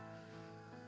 tapi pak luki tidak bisa